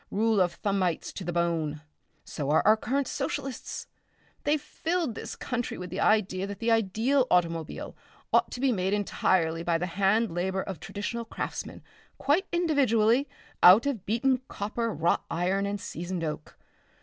Rule of Thumbites to the bone. So are our current Socialists. They've filled this country with the idea that the ideal automobile ought to be made entirely by the hand labour of traditional craftsmen, quite individually, out of beaten copper, wrought iron and seasoned oak.